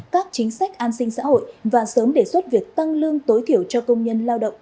các chính sách an sinh xã hội và sớm đề xuất việc tăng lương tối thiểu cho công nhân lao động